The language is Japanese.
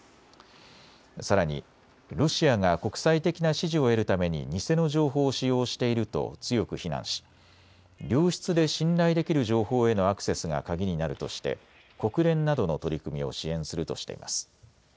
さらにロシアが国際的な支持を得るために偽の情報を使用していると強く非難し良質で信頼できる情報へのアクセスが鍵になるとして国連などの取り組みを支援するとしています。